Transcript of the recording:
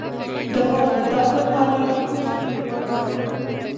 د غوږ د درد لپاره د کوم شي تېل وکاروم؟